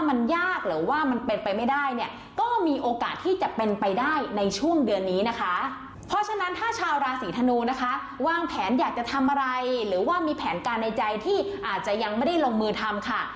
เพราะฉะนั้นถ้าชาวราศีธนูนะคะวางแผนอยากจะทำอะไรหรือว่ามีแผนการในใจที่อาจจะยังไม่ได้ลงมือทำค่ะ